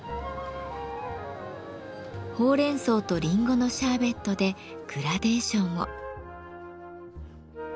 ほうれんそうとリンゴのシャーベットでグラデーションを。